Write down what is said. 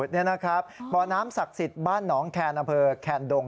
นี่นะครับบ่อน้ำศักดิ์สิทธิ์บ้านหนองแคนอำเภอแคนดง